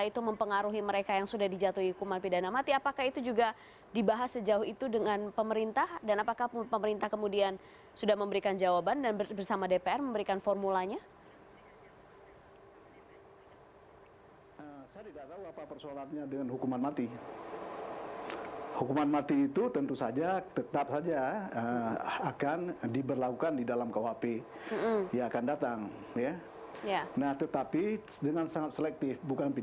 terima kasih terima kasih